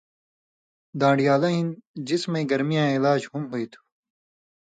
دان٘ڑیالہ ہِن جسمَیں گرمَیاں علاج ہُم ہُوئ تُھو